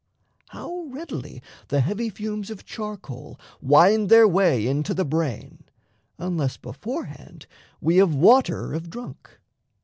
How readily The heavy fumes of charcoal wind their way Into the brain, unless beforehand we Of water 've drunk.